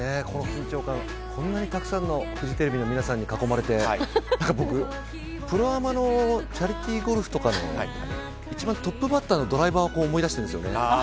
こんなにたくさんのフジテレビの皆さんに囲まれて僕、プロアマのチャリティーゴルフとかの一番トップバッターのドライバーを思い出してるんですよね。